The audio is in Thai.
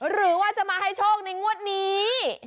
หรือว่าจะมาให้โชคในงวดนี้